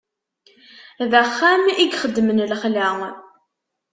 D axxam i ixedmen lexla.